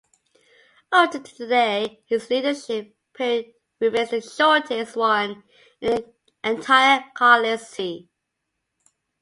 Until today his leadership period remains the shortest one in the entire Carlist history.